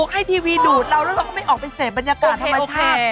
ให้ทีวีดูดเราแล้วเราก็ไม่ออกไปเสพบรรยากาศธรรมชาติ